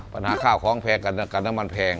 ปัญหาข้าวของแพงกันกับน้ำมันแพง